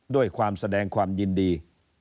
ด้วยความแสดงความยินดี